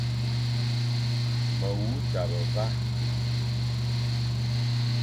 Me wu tabe va,